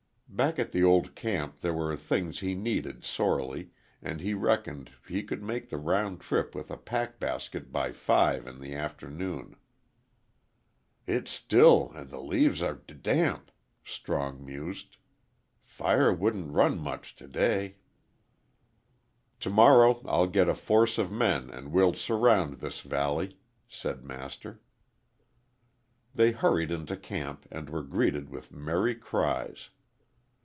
Back at the old camp there were things he needed sorely, and he reckoned that he could make the round trip with a pack basket by five in the afternoon. "It's still and the leaves are d damp," Strong mused. "Fire wouldn't run much t' day." "To morrow I'll get a force of men and we'll surround this valley," said Master. They hurried into camp and were greeted with merry cries.